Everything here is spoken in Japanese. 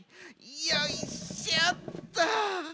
よいしょっと。